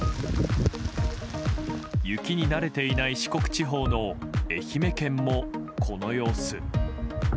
雪に慣れていない四国地方の愛媛県も、この様子。